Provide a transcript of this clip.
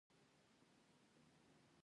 کیفیت څنګه لوړ کړو؟